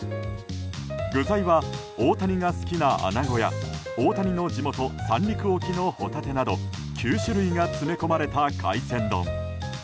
具材は大谷が好きなアナゴや大谷の地元三陸沖のホタテなど９種類が詰め込まれた海鮮丼。